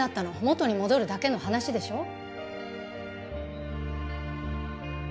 元に戻るだけの話でしょう？